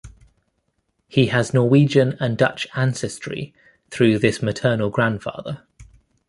He has Norwegian and Dutch ancestry through this maternal grandfather.